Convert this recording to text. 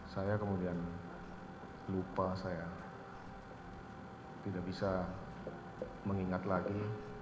saya kemudian lupa saya tidak bisa mengingat lagi